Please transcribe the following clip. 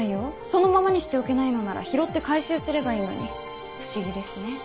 そのままにしておけないのなら拾って回収すればいいのに不思議ですね。